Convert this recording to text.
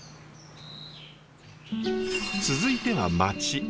続いては町。